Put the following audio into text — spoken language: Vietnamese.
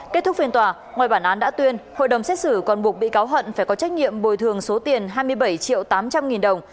kết thúc phiên tòa ngoài bản án đã tuyên hội đồng xét xử còn buộc bị cáo hận phải có trách nhiệm bồi thường số tiền hai mươi bảy triệu tám trăm linh nghìn đồng